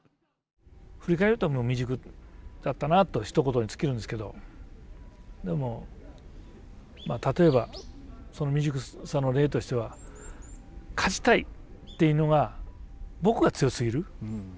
振り返ると未熟だったなとひと言に尽きるんですけどでも例えばその未熟さの例としては勝ちたいというのが僕が強すぎる。